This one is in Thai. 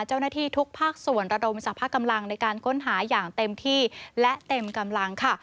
เจ้าหน้าที่ทุกภาคส่วนระดมสรรพากำลังในการค้นหาอย่างเต็มที่และเต็มกำลังค่ะ